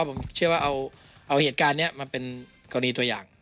ผมเชื่อว่าเอาเหตุการณ์นี้มาเป็นกรณีตัวอย่าง